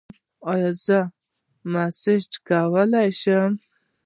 ایا زه مساج کولی شم؟